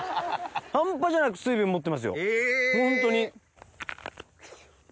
半端じゃなく水分持ってますよ。え！